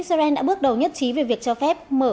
israel đã bước đầu nhất trí về việc cho phép mở